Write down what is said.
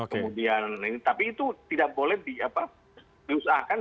kemudian tapi itu tidak boleh diusahakan